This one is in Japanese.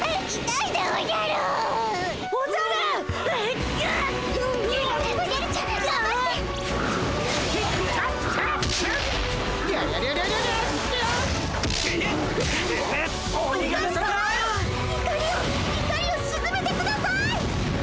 いかりをいかりをしずめてください！